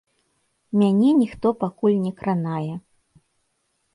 Мяне ніхто пакуль не кранае.